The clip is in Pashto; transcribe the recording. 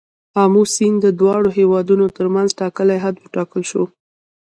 آمو سیند د دواړو هیوادونو تر منځ ټاکلی حد وټاکل شو.